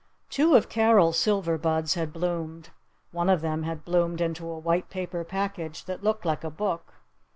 Two of Carol's silver buds had bloomed. One of them had bloomed into a white paper package that looked like a book.